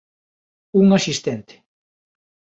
Un asistente.